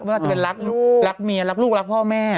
ไม่ว่าจะเป็นรักลูกรักเมียรักลูกรักพ่อแม่